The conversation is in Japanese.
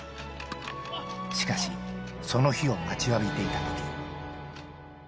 しかし、その日を待ちわびていたとき。